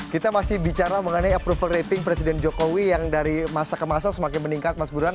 kita masih bicara mengenai approval rating presiden jokowi yang dari masa ke masa semakin meningkat mas burhan